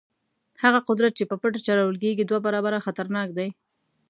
هغه قدرت چې په پټه چلول کېږي دوه برابره خطرناک دی.